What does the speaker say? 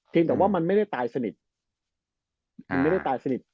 เพียงแต่ว่ามันไม่ได้ตายสนิท